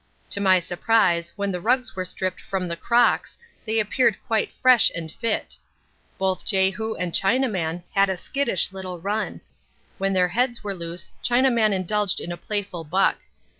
To my surprise, when the rugs were stripped from the 'crocks' they appeared quite fresh and fit. Both Jehu and Chinaman had a skittish little run. When their heads were loose Chinaman indulged in a playful buck.